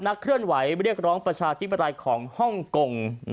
เคลื่อนไหวเรียกร้องประชาธิปไตยของฮ่องกง